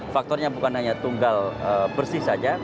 faktornya bukan hanya tunggal bersih saja